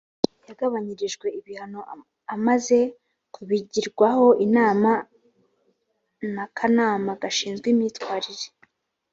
yagabanyirijwe ibihano amaze kubigirwaho inama n ‘akanama gashinzwe imyitwarire.